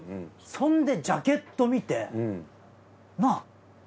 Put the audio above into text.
そんでジャケット見てなあ。